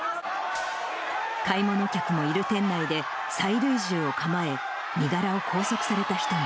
買い物客もいる店内で、催涙銃を構え、身柄を拘束された人も。